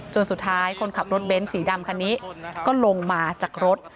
สุดท้ายคนขับรถเบ้นสีดำคันนี้ก็ลงมาจากรถ